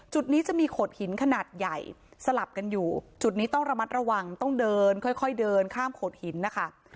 จุดนี้จะมีโขดหินขนาดใหญ่สลับกันอยู่จุดนี้ต้องระมัดระวังต้องเดินค่อยเดินข้ามโขดหินนะคะ